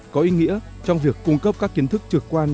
có ý nghĩa trong việc cung cấp các kiến thức trực quan